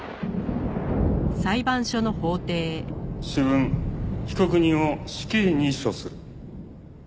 主文被告人を死刑に処する。